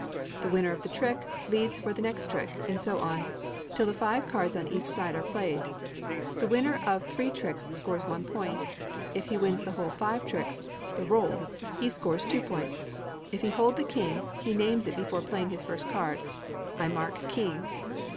The winner of the trick leads for the next trick, and so on, till the five cards on each side are played. The winner of three tricks scores one point; if he win the whole five tricks the rôle he scores two points; if he hold the king, he names it before playing his first card "I mark king."